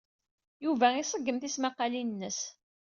Yuba iṣeggem tismaqqalin-nnes.